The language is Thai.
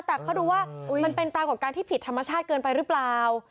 แต่เขาดูว่ามันเป็นปรากฏการณ์ที่ผิดธรรมชาติเกินไปหรือเปล่า